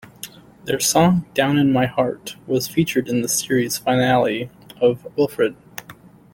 Their song "Down in My Heart" was featured in the series finale of "Wilfred".